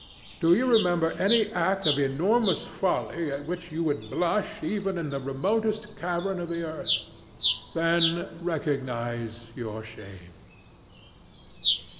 Do you remember any act of enormous folly at which you would blush even in the remotest cavern of the earth? Then recognize your shame.